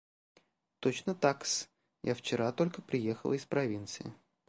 – Точно так-с: я вчера только приехала из провинции.